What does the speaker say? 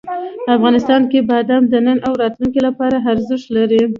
افغانستان کې بادام د نن او راتلونکي لپاره ارزښت لري.